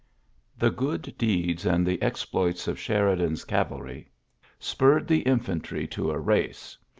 The good deeds and the exploits of Sheridan's cavalry spurred the infantry to a race.